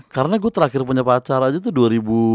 karena gue terakhir punya pacar aja tuh